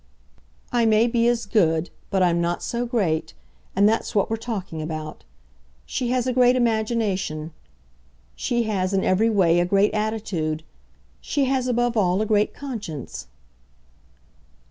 "I may be as good, but I'm not so great and that's what we're talking about. She has a great imagination. She has, in every way, a great attitude. She has above all a great conscience."